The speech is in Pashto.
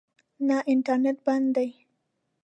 نه، انټرنېټ بند دی